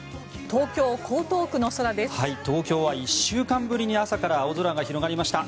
東京は１週間ぶりに朝から青空が広がりました。